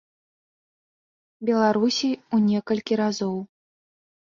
Беларусі, у некалькі разоў.